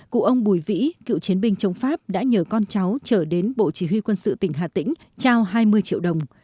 cụ ông bùi vĩ cựu chiến binh chống pháp đã nhờ con cháu trở đến bộ chỉ huy quân sự tỉnh hà tĩnh trao hai mươi triệu đồng